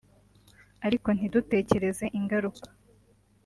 ariko ntidutekereze ingaruka